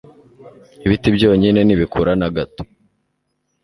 Ibiti byonyine, nibikura na gato